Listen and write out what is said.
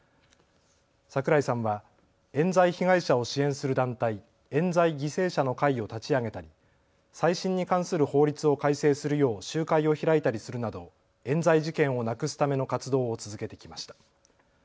桜井さんはえん罪被害者を支援する団体、冤罪犠牲者の会を立ち上げたり再審に関する法律を改正するよう集会を開いたりするなどえん罪事件をなくすための活動を続けてきました。